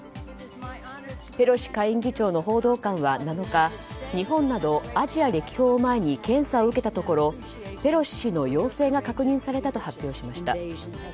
ペロシ下院議長の報道官は７日日本などアジア歴訪を前に検査を受けたところペロシ氏の陽性が確認されたと発表しました。